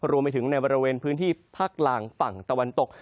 รวมไปถึงในบริเวณพื้นที่ภาคล่างฝั่งตะวันตก